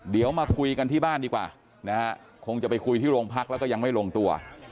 เดี๋ยวมาคุยกันที่บ้านดีกว่านะฮะคงจะไปคุยที่โรงพักแล้วก็ยังไม่ลงตัว